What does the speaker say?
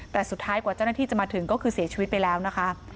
แต่สุดท้ายกว่าเจ้าหน้าที่จะมาถึงก็คือเสียชีวิตไปแล้วนะคะ